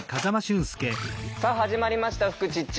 さあ始まりました「フクチッチ」。